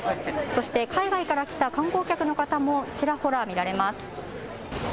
そして海外から来た観光客の方もちらほら見られます。